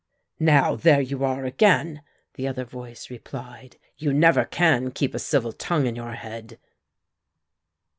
"Now, there you are again," the other voice replied, "you never can keep a civil tongue in your head."